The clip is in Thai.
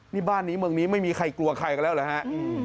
นี่บ้านนี้เมืองนี้ไม่มีใครกลัวใครกันแล้วเหรอฮะ